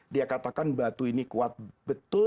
dia katakan batu ini kuat betul